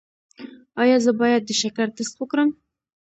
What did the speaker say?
ایا زه باید د شکر ټسټ وکړم؟